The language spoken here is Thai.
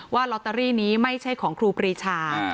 ลอตเตอรี่นี้ไม่ใช่ของครูปรีชา